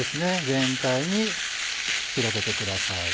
全体に広げてください。